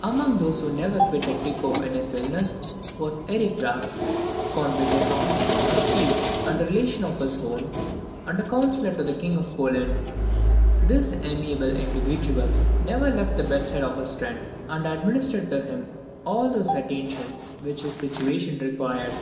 Among those who never quitted Tycho in his illness, was Erick Brahe, Count Wittehorn, a Swede, and a relation of his own, and Counsellor to the King of Poland. This amiable individual never left the bedside of his friend, and administered to him all those attentions which his situation required.